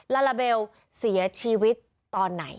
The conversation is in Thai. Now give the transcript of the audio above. ลาลาเบลเสียชีวิตตอนไหน